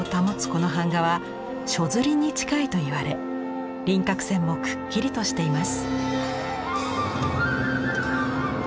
この版画は初摺に近いといわれ輪郭線もくっきりとしています。